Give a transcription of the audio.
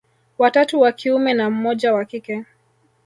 Watatu wa kiume na mmoja wa kike